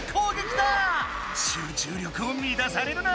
集中力をみだされるな！